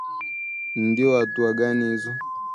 Ndo hatua gani hizo?